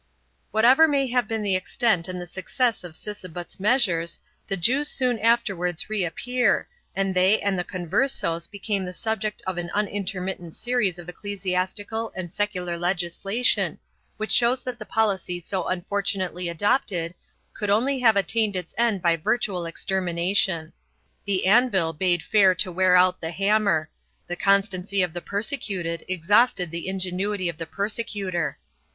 Whatever may have been the extent and the success of Sise but's measures, the Jews soon afterwards reappear, and they and the converses became the subject of an unintermittent series of ecclesiastical and secular legislation which shows that the policy so unfortunately adopted could only have attained its end by virtual extermination. The anvil bade fair to wear out the hammer — the constancy of the persecuted exhausted the ingenuity of the persecutor.